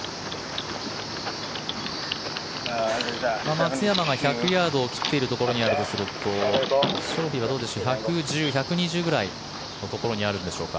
松山が１００ヤードを切っているところにあるとするとシャフリーはどうでしょう１１０、１２０ぐらいのところにあるんでしょうか。